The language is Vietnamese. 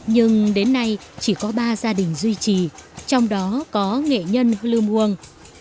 nhưng đến nay chỉ có ba gia đình duy trì trong đó có nghệ nhân lưu muông